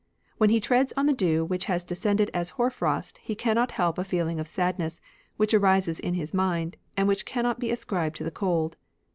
When he treads on the dew which has descended as hoar frost he cannot help a feeUng of sadness, which arises in his mind, and which cannot be ascribed to the cold.